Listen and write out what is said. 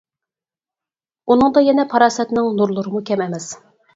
ئۇنىڭدا يەنە پاراسەتنىڭ نۇرلىرىمۇ كەم ئەمەس.